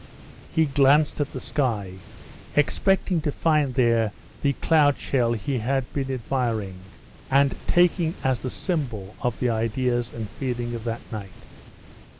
He glanced at the sky, expecting to find there the cloud shell he had been admiring and taking as the symbol of the ideas and feelings of that night.